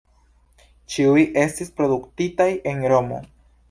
Ĉiuj estis produktitaj en Romo.